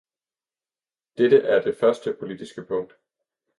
Dette er det første politiske punkt.